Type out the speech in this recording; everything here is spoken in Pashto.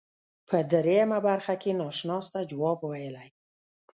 په دریمه برخه کې ناشناس ته جواب ویلی.